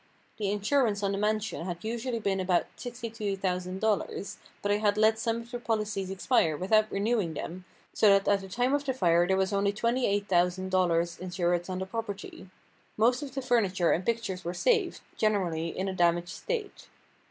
The insurance on the mansion had usually been about $62,000, but I had let some of the policies expire without renewing them, so that at the time of the fire there was only $28,000 insurance on the property. Most of the furniture and pictures were saved, generally in a damaged state.